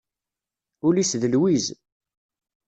Ul-is d lwiz.